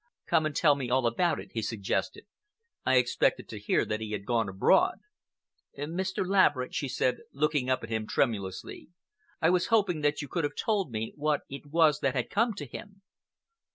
"Come and tell me all about it," he suggested. "I expected to hear that he had gone abroad." "Mr. Laverick," she said, looking up at him tremulously. "I was hoping that you could have told me what it was that had come to him."